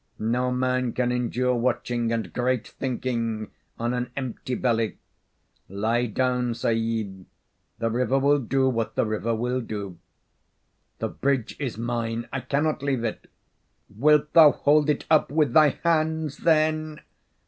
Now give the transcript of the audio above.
No man can endure watching and great thinking on an empty belly. Lie down, Sahib. The river will do what the river will do." "The bridge is mine; I cannot leave it." "Wilt thou hold it up with thy hands, then?"